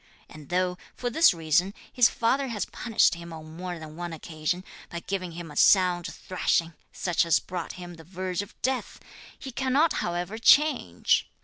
And though, for this reason, his father has punished him on more than one occasion, by giving him a sound thrashing, such as brought him to the verge of death, he cannot however change.